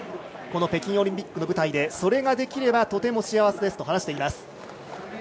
この北京オリンピックの舞台でそれができればとても幸せですと話しています。